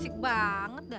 musik banget dah